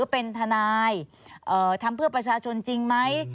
เป็นทนายทำเพื่อประชาชนจริงไหม